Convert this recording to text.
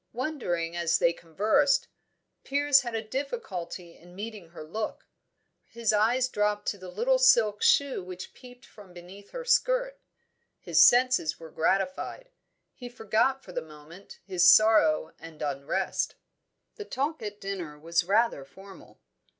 Wondering as they conversed, Piers had a difficulty in meeting her look; his eyes dropped to the little silk shoe which peeped from beneath her skirt. His senses were gratified; he forgot for the moment his sorrow and unrest. The talk at dinner was rather formal.